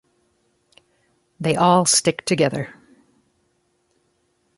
They all stick together.